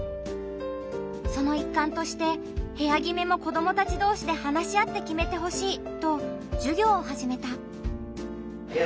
その一環として部屋決めも子どもたち同士で話し合って決めてほしいと授業を始めた。